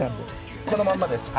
このまんまです。